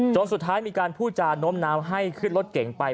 สุดท้ายมีการพูดจาโน้มน้าวให้ขึ้นรถเก่งไป